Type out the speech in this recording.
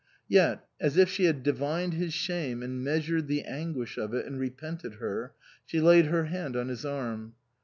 Yet, as if she had divined his shame and measured the anguish of it and repented her, she laid her hand on his arm.